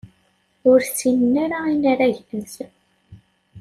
Ur ssinen ara inaragen-nsen.